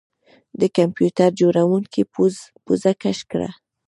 د کمپیوټر جوړونکي پوزه کش کړه